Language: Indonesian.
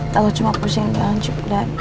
kalau cuma pusing dan cuplah